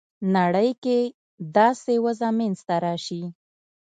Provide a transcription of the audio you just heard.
نړۍ کې داسې وضع منځته راسي.